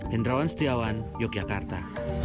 hendrawan setiawan yogyakarta